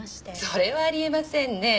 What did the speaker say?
それはあり得ませんね。